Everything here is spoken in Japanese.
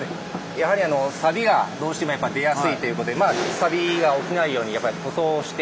やはりあのサビがどうしても出やすいということでまあサビが起きないようにやっぱり塗装して。